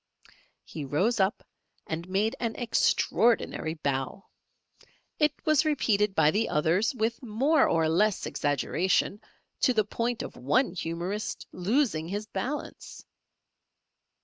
He rose up and made an extraordinary bow. It was repeated by the others with more or less exaggeration to the point of one humourist losing his balance!